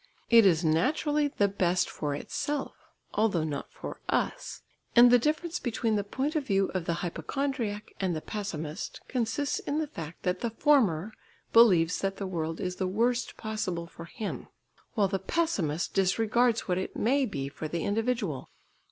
It is naturally the best for itself, although not for us, and the difference between the point of view of the hypochondriac and the pessimist consists in the fact that the former believes that the world is the worst possible for him, while the pessimist disregards what it may be for the individual.